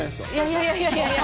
いやいやいやいや。